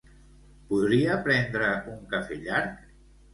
Podria prendre un cafè llarg?